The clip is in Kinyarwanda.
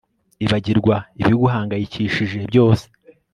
Ibagirwa ibiguhangayikishije byose